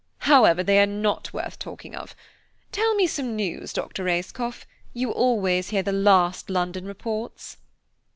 However, they are not worth talking of. Tell me some news, Dr. Ayscough–you always hear the last London reports."